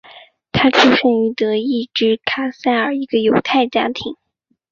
他出生于德意志卡塞尔一个犹太家庭。